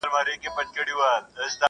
نه مي له شمعي سره شپه سوه، نه مېلې د ګلو٫